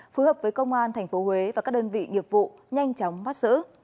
phù hợp với công an tp huế và các đơn vị nghiệp vụ nhanh chóng bắt xử